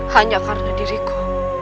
hanya karena diriku